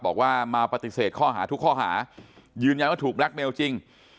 บอกว่ามาปฏิเสธข้อหาทุกข้อหายืนยันว่าถูกแล็คเมลจริง